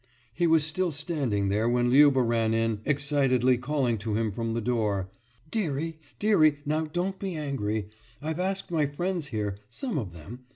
He was still standing there when Liuba ran in, excitedly calling to him from the door. »Dearie, dearie, now don't be angry. I've asked my friends here, some of them.